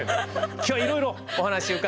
今日はいろいろお話伺いたいと思います。